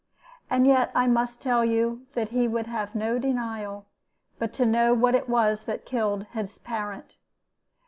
And yet I must tell you that he would have no denial, but to know what it was that had killed his parent.